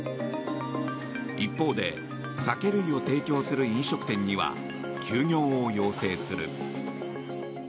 一方で酒類を提供する飲食店には休業を要請する。